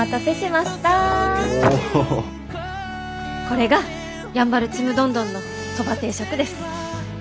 これがやんばるちむどんどんのそば定食です。